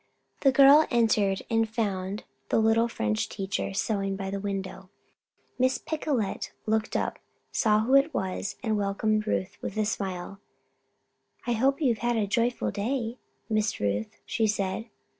The girl entered and found the little French teacher sewing by the window. Miss Picolet looked up, saw who it was, and welcomed Ruth with a smile. "I hope you have had a joyful day, Miss Ruth," she said.